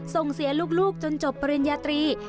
ส่งเสียลูกจนจบปริญญาตรี